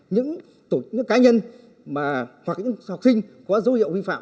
những cá nhân hoặc những học sinh có dấu hiệu huy phạm